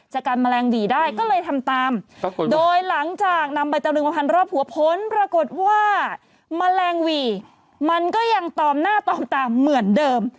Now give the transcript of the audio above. จะกันแมลงหวีได้ก็เลยทำตามโดยหลังจากนำใบตะลึงมาพันรอบหัวผลปรากฏว่าแมลงหวี่มันก็ยังตอมหน้าตอมตามเหมือนเดิม